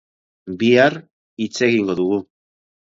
Bihar hitz egingo dugu.